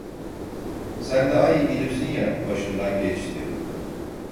Sen daha iyi bilirsin ya, başından geçti…